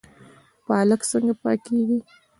پالک څنګه پاکیږي؟